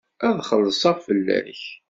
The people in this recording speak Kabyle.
Ad xellṣeɣ fell-ak.